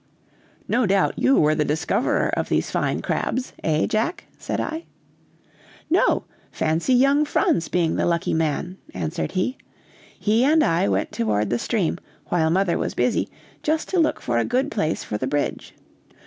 "No doubt you were the discoverer of these fine crabs, eh, Jack?" said I. "No! fancy young Franz being the lucky man!" answered he. "He and I went toward the stream while mother was busy, just to look for a good place for the bridge.